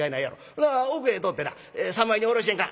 ほな奥へ通ってな三枚におろしてんか」。